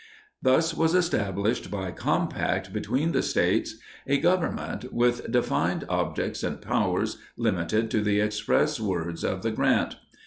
Thus was established, by compact between the States, a Government, with defined objects and powers, limited to the express words of the grant.